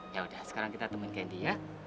ya udah sekarang kita temuin gendi ya